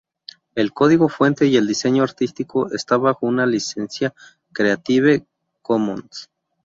El código fuente y el diseño artístico están bajo una licencia Creative Commons.